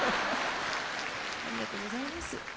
ありがとうございます。